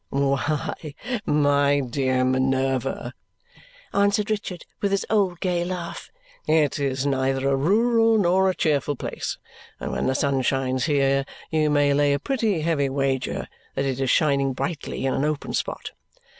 "Why, my dear Minerva," answered Richard with his old gay laugh, "it is neither a rural nor a cheerful place; and when the sun shines here, you may lay a pretty heavy wager that it is shining brightly in an open spot.